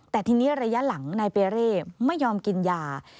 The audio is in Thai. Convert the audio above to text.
แต่ทีนี้ระยะหลังนายเปเร่ไม่ยอมกินยา